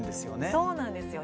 そうなんですよ。